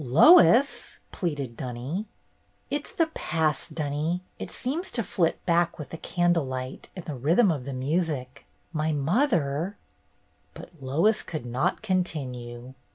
''Lois!" pleaded Dunny. " It 's the past, Dunny. It seems to flit back with the candle light and the rhythm of the music. My mother —" But Lois could not continue.